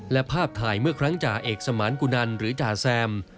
และภาพถ่ายเมื่อครั้งจ่าเอกสมานกุนันหรือจ่าแซม